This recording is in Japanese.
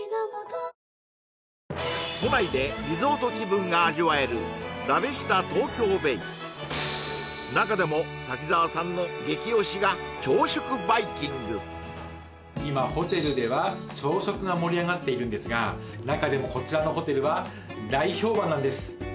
都内でリゾート気分が味わえるラビスタ東京ベイ中でも瀧澤さんの今ホテルでは朝食が盛り上がっているんですが中でもこちらのホテルは大評判なんです